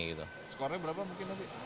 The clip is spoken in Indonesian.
skornya berapa mungkin